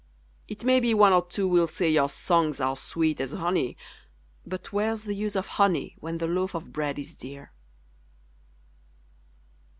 It may be one or two will say your songs are sweet as honey, But where's the use of honey, when the loaf of bread is dear?